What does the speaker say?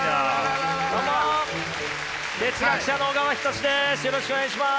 どうも哲学者の小川仁志です。